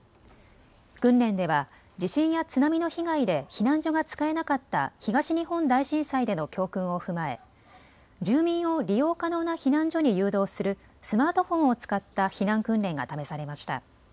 訓練では地震や津波の被害で避難所が使えなかった東日本大震災での教訓を踏まえ住民を利用可能な避難所に誘導するスマートフォンを使った避難訓練が試されました。